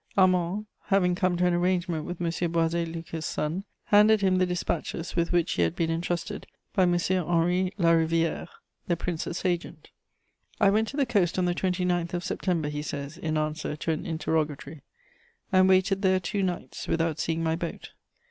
Armand, having come to an arrangement with M. Boisé Lucas' son, handed him the despatches with which he had been entrusted by M. Henry Larivière, the Princes' agent. "I went to the coast on the 29th of September," he says, in answer to an interrogatory, "and waited there two nights, without seeing my boat.